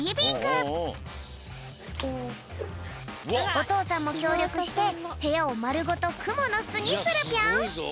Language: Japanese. おとうさんもきょうりょくしてへやをまるごとくものすにするぴょん。